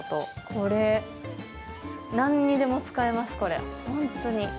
これ、何にでも使えます、本当に。